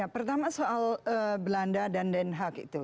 pertama soal belanda dan den haag itu